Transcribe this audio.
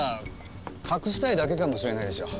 隠したいだけかもしれないでしょ。